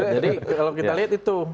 jadi kalau kita lihat itu